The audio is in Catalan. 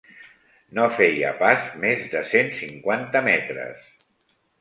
No feia pas més de cent cinquanta metres